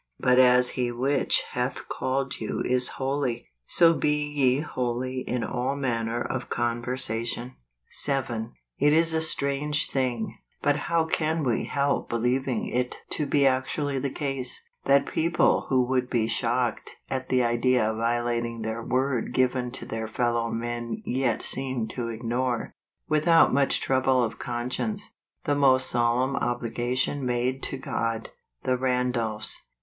" But as he which hath called you is holy, so be ye holy in all manner of conversation ." 52 MAY. 7. It is a strange thing, but how can we help believing it to be actually the case, that people who would be shocked at the idea of violating their word given to their fellow men yet seem to ignore, without much trouble of conscience, the most solemn obli¬ gation made to God ! The Randolphs.